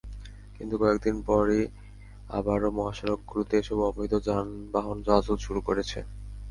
কিন্তু কয়েকদিন পরই আবারও মহাসড়কগুলোতে এসব অবৈধ যানবাহন চলাচল শুরু করেছে।